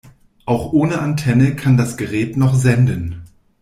Auch ohne Antenne kann das Gerät noch senden.